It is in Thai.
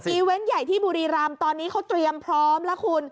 เวนต์ใหญ่ที่บุรีรำตอนนี้เขาเตรียมพร้อมแล้วคุณ